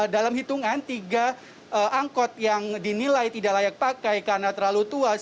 dalam hitungan tiga angkot yang dinilai tidak layak pakai karena terlalu tua